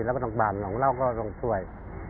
แล้วก็ต้องบาปหนังเราก็ต้องช่วย